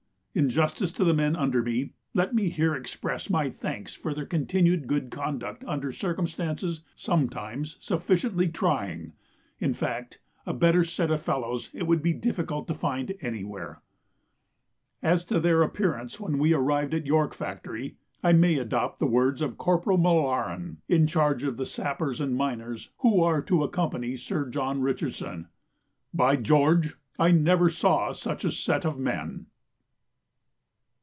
In justice to the men under me, let me here express my thanks for their continued good conduct under circumstances sometimes sufficiently trying; in fact, a better set of fellows it would be difficult to find anywhere. As to their appearance when we arrived at York Factory, I may adopt the words of Corporal M'Laren in charge of the Sappers and Miners who are to accompany Sir John Richardson, "By George, I never saw such a set of men."